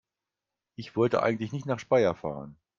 Ich wollte eigentlich nicht nach Speyer fahren